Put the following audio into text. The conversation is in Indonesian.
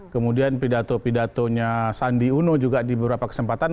kemudian pidato pidatonya sandi uno juga di beberapa kesempatan